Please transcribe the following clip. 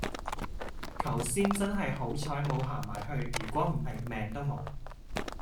求先真喺好彩冇行埋去如果唔喺命都冇